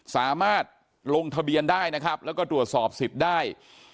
สามารถลงทะเบียนได้นะครับแล้วก็ตรวจสอบสิทธิ์ได้